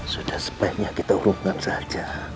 sudah sebaiknya kita urungkan saja